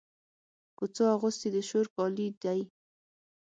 کوڅو اغوستي د شور کالي دی